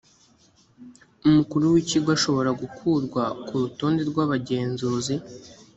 umukuru wikigo ashobora gukurwa ku rutonde rw abagenzuzi